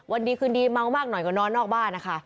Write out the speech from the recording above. วันดีคืนดีเมามากหน่อยก็นอนนอกบ้านนะคะ